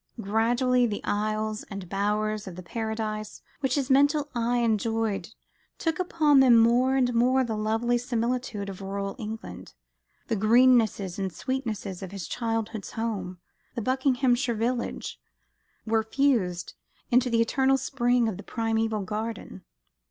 Gradually the aisles and bowers of the Paradise which his mental eyes enjoyed took upon them more and more the lovely similitude of rural England. The greennesses and sweetnesses of his childhood's home, the Buckinghamshire village, were fused into the "eternal spring" of the primeval garden.